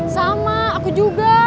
sama aku juga